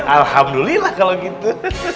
alhamdulillah kalau gitu